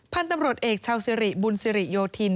พันธุ์ตำรวจเอกชาวสิริบุญสิริโยธิน